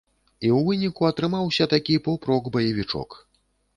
І ў выніку атрымаўся такі поп-рок баевічок.